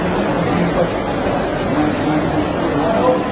สาลิกใจเย็น